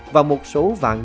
và một số vạn